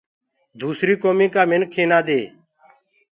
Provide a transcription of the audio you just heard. دوسريٚ ڪوميٚ ڪآ منِک اينآ دي